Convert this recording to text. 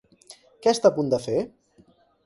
Què està a punt de fer?